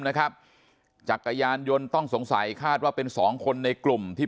นะครับจักรยานยนต์ต้องสงสัยคาดว่าเป็นสองคนในกลุ่มที่